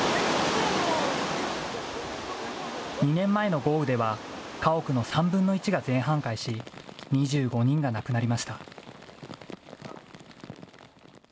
２年前の豪雨では、家屋の３分の１が全半壊し、２５人が亡くなりました。